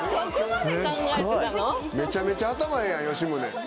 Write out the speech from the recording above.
めちゃめちゃ頭ええやん吉宗。